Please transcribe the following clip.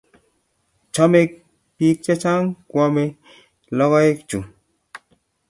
Chame piik chechang' kwamey logoek chu.